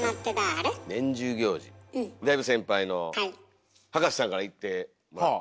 だいぶ先輩の葉加瀬さんからいってもらって。